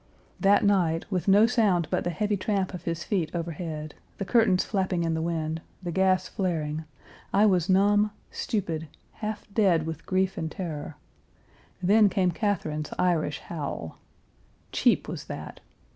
That night, with no sound but the heavy tramp of his feet overhead, the curtains flapping in the wind, the gas flaring, I was numb, stupid, half dead with grief and terror. Then came Catherine's Irish howl. Cheap, was that.